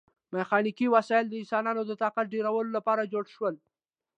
میخانیکي وسایل د انسانانو د طاقت ډیرولو لپاره جوړ شول.